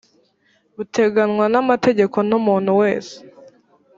buteganywa n amategeko n umuntu wese